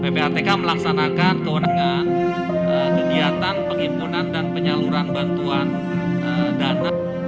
pembangunan pembangunan pembangunan